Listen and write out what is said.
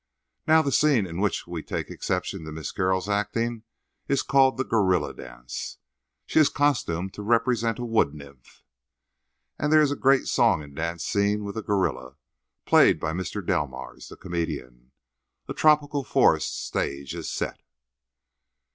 "Now, the scene in which we take exception to Miss Carroll's acting is called the 'gorilla dance.' She is costumed to represent a wood nymph, and there is a great song and dance scene with a gorilla—played by Mr. Delmars, the comedian. A tropical forest stage is set.